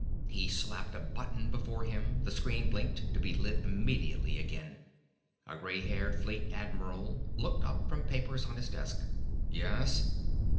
He slapped a button before him, the screen blinked, to be lit immediately again. A gray haired Fleet Admiral looked up from papers on his desk. "Yes?"